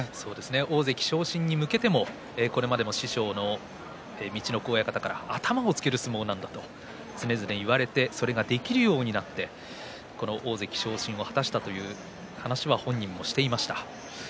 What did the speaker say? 大関昇進に向けても師匠の陸奥親方から頭をつける相撲なんだと言われてそれができるようになって大関昇進を果たしたという話を本人もしていました。